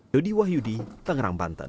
dodi wahyudi tangerang banten